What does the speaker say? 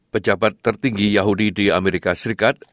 pejabat tertinggi yahudi di amerika serikat